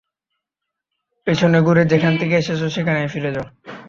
পেছনে ঘুরে যেখান থেকে এসেছ সেখানেই ফিরে যাও।